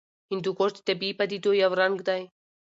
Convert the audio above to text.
هندوکش د طبیعي پدیدو یو رنګ دی.